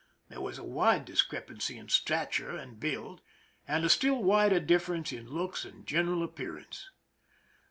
There was a wide dis crepancy in stature and build, and a still wider difference in looks and general appearance.